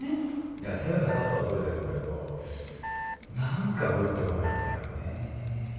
いや攻めたカットは撮れてるんだけど何かグッとこないんだよね。